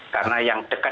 karena yang dekat